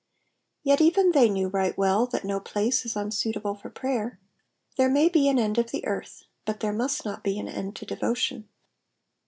Yet even they knew right well that no place is unsuitable for prayer. There may be an end of the earth, but there must not be an end to devotion.